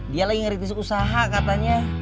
dia lagi ngeritis usaha katanya